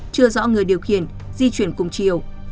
chưa rõ người điều khiển di chuyển cùng chiều